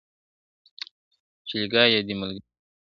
چي لګیا یې دي ملګري په غومبرو ..